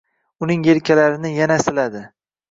Uning yelkalarini yana siladi.